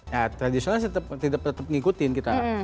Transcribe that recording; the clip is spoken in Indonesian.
ya tradisional tetap ngikutin kita